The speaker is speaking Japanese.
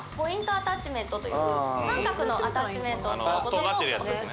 アタッチメントという三角のアタッチメントを使うこともオススメ